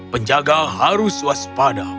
penjaga harus waspada